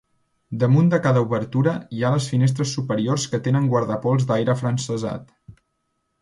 Damunt de cada obertura hi ha les finestres superiors que tenen guardapols d'aire afrancesat.